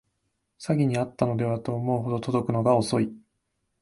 詐欺にあったのではと思うほど届くのが遅い